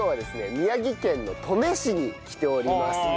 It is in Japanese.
宮城県の登米市に来ておりますね。